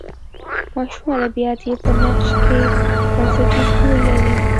ماشوم ادبیات یې په نقش کې بنسټیز رول لري.